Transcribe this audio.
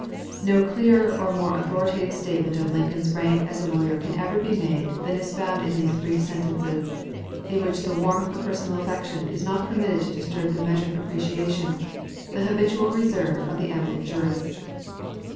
No clearer or more authoritative statement of Lincoln's rank as a lawyer can ever be made than is found in these brief sentences, in which the warmth of personal affection is not permitted to disturb the measured appreciation, the habitual reserve of the eminent jurist.